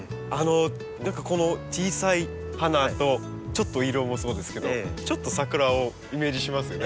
何かこの小さい花とちょっと色もそうですけどちょっと桜をイメージしますよね。